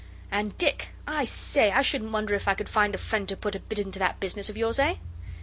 And Dick, I say, I shouldn't wonder if I could find a friend to put a bit into that business of yours eh?